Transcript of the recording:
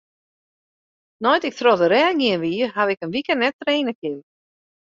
Nei't ik troch de rêch gien wie, haw ik in wike net traine kinnen.